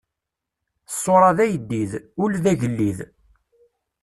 Ṣṣuṛa d ayeddid, ul d agellid.